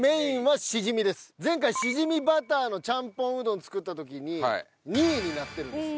前回シジミバターのちゃんぽんうどん作った時に２位になってるんですよ。